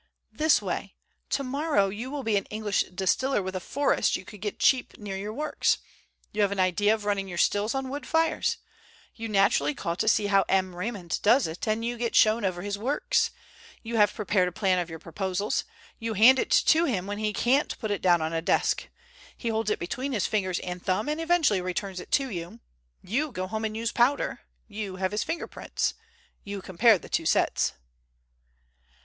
"This way. Tomorrow you will be an English distiller with a forest you could get cheap near your works. You have an idea of running your stills on wood fires. You naturally call to see how M. Raymond does it, and you get shown over his works. You have prepared a plan of your proposals. You hand it to him when he can't put it down on a desk. He holds it between his fingers and thumb, and eventually returns it to you. You go home and use powder. You have his finger prints. You compare the two sets."